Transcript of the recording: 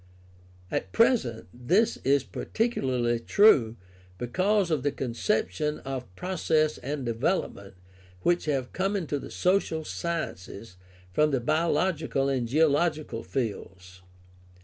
At present this is particularly true because of the conception of process and development which have come into the social sciences from the biological and geological fields.